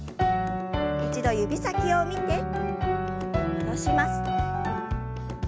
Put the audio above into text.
一度指先を見て戻します。